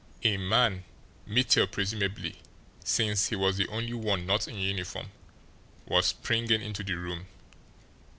A man, Mittel presumably, since he was the only one not in uniform, was springing into the room.